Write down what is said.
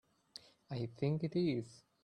I think it is.